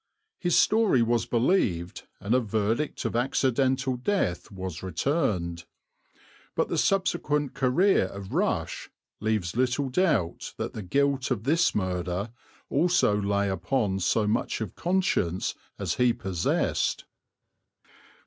His story was believed and a verdict of accidental death was returned, but the subsequent career of Rush leaves little doubt that the guilt of this murder also lay upon so much of conscience as he possessed.